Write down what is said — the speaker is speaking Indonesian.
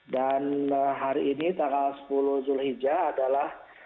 dan hari ini tanggal sepuluh zul hijah adalah